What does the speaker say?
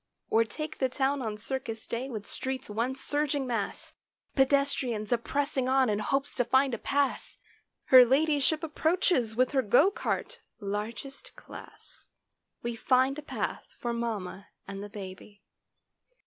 Or take the town on circus day with streets one surging mass; Pedestrians a pressing on in hopes to find a pass; Her ladyship approaches with her go cart—largest class— We find a path for mamma and the baby.